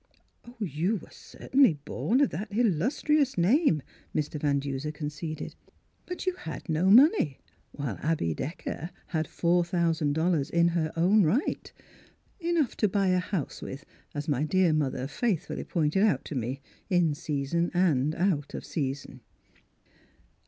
"" You were certainly born of that il lustrious name," Mr. Van Duser conceded. " But you had no money, while Abby Decker had four thousand dollars in her own right, enough to buy a house with, as m_y dear mother faithfully pointed out to me, in season and out of season."